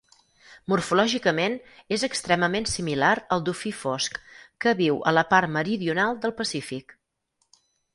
Morfològicament és extremament similar al dofí fosc, que viu a la part meridional del Pacífic.